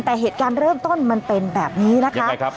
แต่เหตุการณ์เริ่มต้นมันเป็นแบบนี้นะคะ